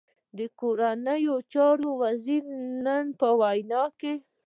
د کورنیو چارو وزیر نن وینا کوي